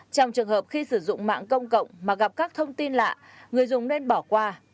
trong trường hợp khi sử dụng mạng công cộng mà gặp các thông tin lạ người dùng nên bỏ qua